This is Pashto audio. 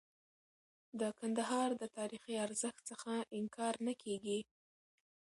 د کندهار د تاریخي ارزښت څخه انکار نه کيږي.